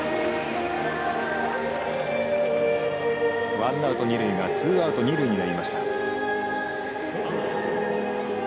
ワンアウト、二塁がツーアウト、二塁になりました。